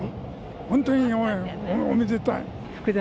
本当におめでたい。